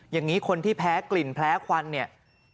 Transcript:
อย่างนี้คนที่แพ้กลิ่นแพ้ควันเนี่ย